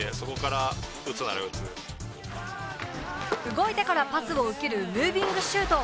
動いてからパスを受けるムービングシュート。